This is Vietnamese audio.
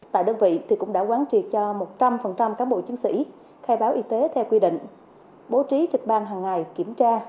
năm cán bộ chiến sĩ khai báo y tế theo quy định bố trí trịch ban hằng ngày kiểm tra